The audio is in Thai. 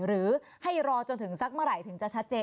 หรือให้รอจนถึงสักเมื่อไหร่ถึงจะชัดเจน